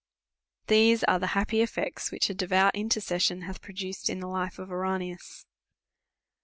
These are the happy effects, which a devout inter cession hath procured in the life of Ouranius.